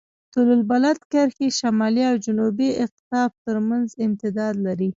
طول البلد کرښې شمالي او جنوبي اقطاب ترمنځ امتداد لري.